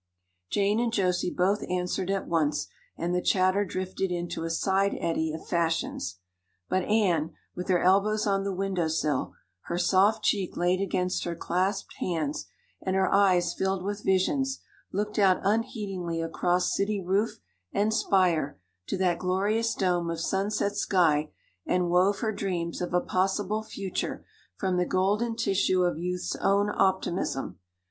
Jane and Josie both answered at once and the chatter drifted into a side eddy of fashions. But Anne, with her elbows on the window sill, her soft cheek laid against her clasped hands, and her eyes filled with visions, looked out unheedingly across city roof and spire to that glorious dome of sunset sky and wove her dreams of a possible future from the golden tissue of youth's own optimism.